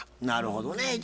なるほどね。